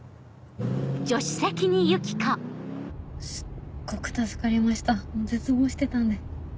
すっごく助かりました絶望してたんで。